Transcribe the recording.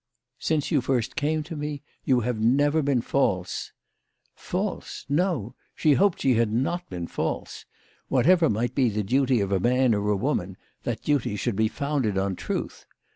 " Since you first came to me, you have 168 THE LADY OF LAUNAY. never been false." False ! no ; she hoped she had not been false. Whatever might be the duty of a man or a woman, that duty should be founded on truth.